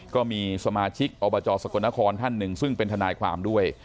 ก็มีสมาชิกอบจสกลนครท่านหนึ่งซึ่งเป็นทนายความด้วย